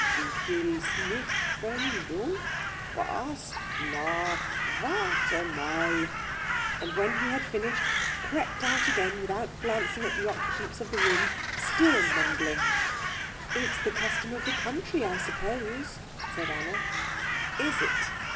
"Du willst nicht, brennen, Lump? Was? Na, warte mal!" And when he had finished, crept out again without glancing at the occupants of the room, still mumbling. "It's the custom of the country, I suppose," said Anna. "Is it?